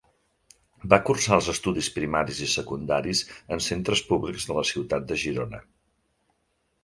Va cursar els estudis primaris i secundaris en centres públics de la ciutat de Girona.